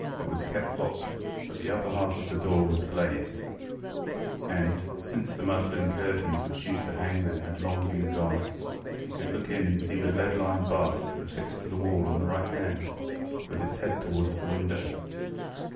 It was kept locked, but the upper half of the door was glazed, and, since the muslin curtains which used to hang there had long been gone, you could look in and see the lead lined bath affixed to the wall on the right hand, with its head towards the window.